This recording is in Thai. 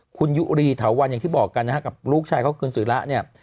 คุณยุรีเถาวันอย่างที่บอกกันนะครับกับลูกชายเขาคุณศิระเนี่ย